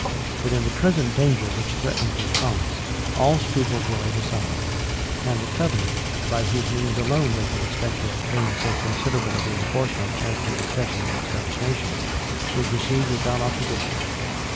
But in the present danger which threatened their cause, all scruples were laid aside; and the covenant, by whose means alone they could expect to obtain so considerable a reënforcement as the accession of the Scottish nation, was received without opposition.